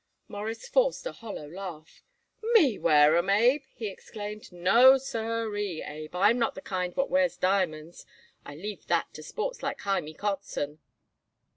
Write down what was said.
Morris forced a hollow laugh. "Me wear 'em, Abe!" he exclaimed. "No, siree, Abe, I'm not the kind what wears diamonds. I leave that to sports like Hymie Kotzen."